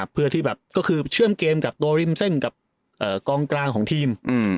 เพื่อที่แบบก็คือเชื่อมเกมกับตัวริมเส้นกับกองกลางของทีม